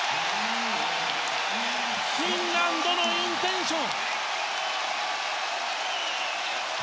フィンランドのインテンション。